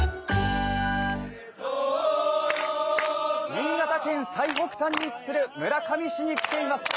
新潟県最北端に位置する村上市に来ています。